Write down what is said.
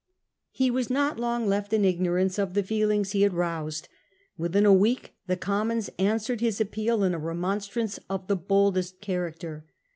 He was not long left in ignorance of the feelings he had roused. Within, a week the Commons answered his appeal in a remonstrance of the boldest character.